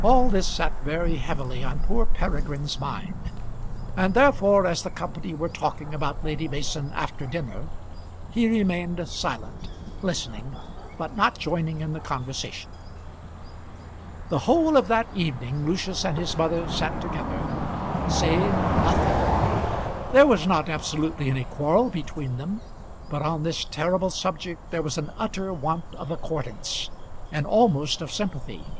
All this sat very heavily on poor Peregrine's mind; and therefore as the company were talking about Lady Mason after dinner, he remained silent, listening, but not joining in the conversation. The whole of that evening Lucius and his mother sat together, saying nothing. There was not absolutely any quarrel between them, but on this terrible subject there was an utter want of accordance, and almost of sympathy.